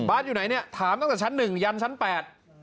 อยู่ไหนเนี่ยถามตั้งแต่ชั้นหนึ่งยันชั้นแปด